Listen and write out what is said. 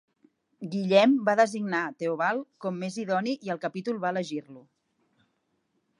Guillem va designar Teobald com més idoni i el capítol va elegir-lo.